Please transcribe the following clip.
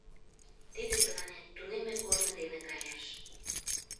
— Тиде тыланет тунемме корно дене каяш...